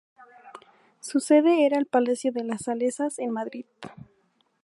Su sede era el Palacio de las Salesas en Madrid.